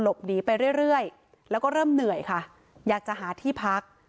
ไปเรื่อยแล้วก็เริ่มเหนื่อยค่ะอยากจะหาที่พัก